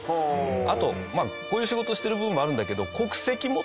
あとこういう仕事してる部分もあるんだけど。